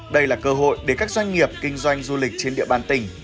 đây là cơ hội để các doanh nghiệp kinh doanh du lịch trên địa bàn tỉnh